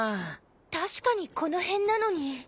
確かにこの辺なのに。